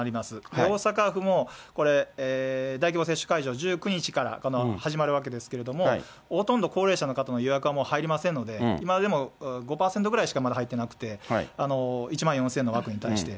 大阪府も、大規模接種会場、１９日から始まるわけですから、ほとんど高齢者の方の予約はもう入りませんので、今でも、５％ぐらいしかまだ入ってなくて、１万４０００の枠に対して。